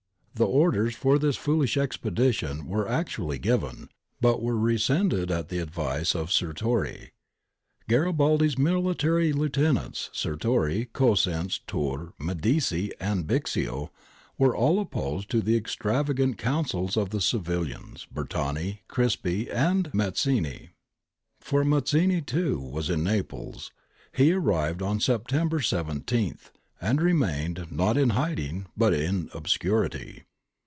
The orders for this foolish expedition were actually given, but were rescinded at the advice of Sirtori.^ Garibaldi's military lieutenants, Sirtori, Cosenz, Tiirr, Medici, and Bixio, were all opposed to the extravagant counsels of the civilians Bertani, Crispi, and Mazzini. For M^^ini, too, was in Naples. He arrived on September 17^ and remained, not in hiding, but in ob scurity.